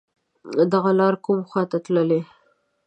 دغه لار کوم خواته تللی